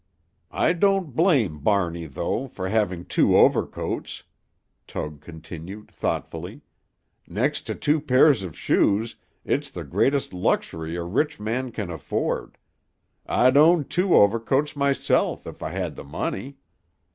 I don't blame Barney, though, for having two overcoats," Tug continued thoughtfully. "Next to two pairs of shoes, it's the greatest luxury a rich man can afford I'd own two overcoats myself if I had the money.